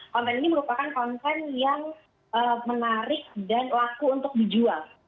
konten ini merupakan konten yang menarik dan laku untuk dijual